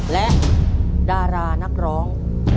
และดารานักร้อง